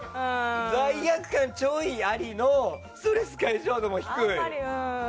罪悪感ちょいありのストレス解消度も低い。